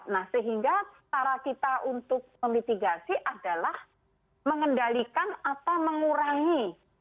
nah sehingga cara kita untuk memitigasi adalah mengendalikan atau mengurangi